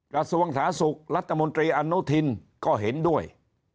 กระทรวงธาศุกร์รัฐมนตรีอันนุธินก็เห็นด้วย